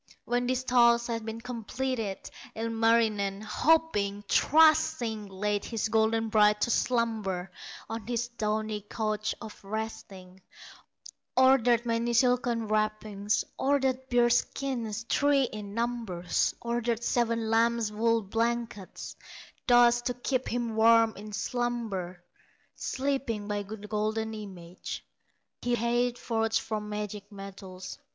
When this task had been completed, Ilmarinen, hoping, trusting, Laid his golden bride to slumber, On his downy couch of resting; Ordered many silken wrappings, Ordered bear skins, three in number, Ordered seven lambs wool blankets, Thus to keep him warm in slumber, Sleeping by the golden image Re had forged from magic metals.